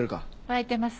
沸いてます。